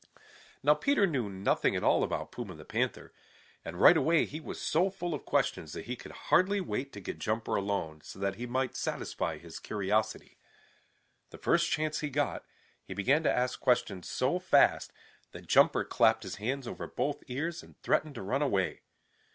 Now Peter knew nothing at all about Puma the Panther, and right away he was so full of questions that he could hardly wait to get Jumper alone so that he might satisfy his curiosity. The first chance he got he began to ask questions so fast that Jumper clapped his hands over both ears and threatened to run away.